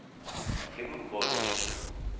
Que non voi!